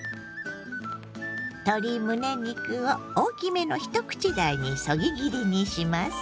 鶏むね肉を大きめの一口大にそぎ切りにします。